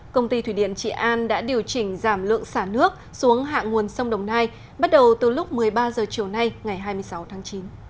công ty thủy điện trị an đã điều chỉnh giảm lượng xả nước xuống hạ nguồn sông đồng nai bắt đầu từ lúc một mươi ba h chiều nay ngày hai mươi sáu tháng chín